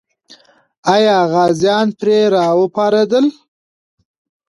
آیا غازیان پرې راوپارېدل؟